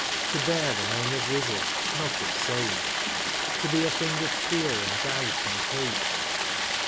To hear the name of wizard, not of sage, To he a thing of fear, and douht, and hate.